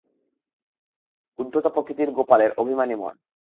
উদ্ধত প্রকৃতি গোপালের, অভিমানী মন।